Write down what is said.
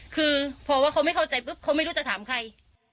คือพอว่าเขาไม่เข้าใจปุ๊บเขาไม่รู้จะถามใคร